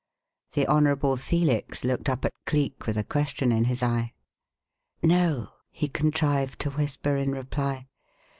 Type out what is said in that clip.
The Honourable Felix looked up at Cleek with a question in his eye. "No," he contrived to whisper in reply.